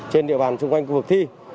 trên địa bàn xung quanh khu vực thi